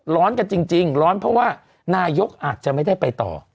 ร้อนกันจริงร้อนเพราะว่านายกอาจจะไม่ได้ไปต่อ